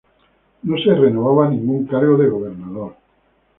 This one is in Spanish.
No se renovaba ningún cargo de gobernador.